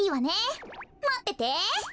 まってて。